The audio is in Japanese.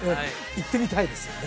行ってみたいですよね